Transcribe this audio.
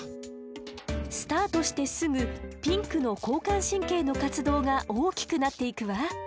スタートしてすぐピンクの交感神経の活動が大きくなっていくわ。